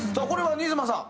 新妻さん。